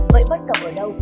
vậy bắt cậu ở đâu